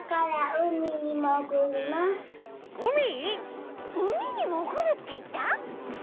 「うみにもぐる」っていった？